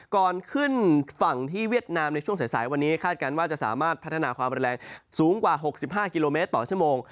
ก่อนขึ้นฝั่งที่เวียดนามในช่วงสายวันนี้คาดการณ์ว่าจะสามารถพัฒนาความแรงสูงกว่า๖๕กิโลเมตรต่อชั่วโมง